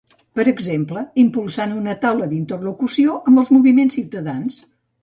Per exemple, impulsant una taula d'interlocució amb els moviments ciutadans.